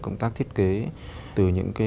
công tác thiết kế từ những cái